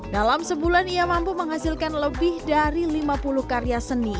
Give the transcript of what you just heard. dalam sebulan ia mampu menghasilkan lebih dari lima puluh karya seni